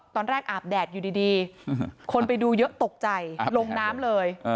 อาบแดดอยู่ดีคนไปดูเยอะตกใจลงน้ำเลย